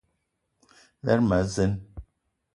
Lerma a zeen.